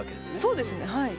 そうですねはい。